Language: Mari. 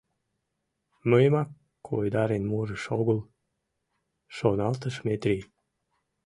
«Мыйымак койдарен мурыш огыл?» — шоналтыш Метрий.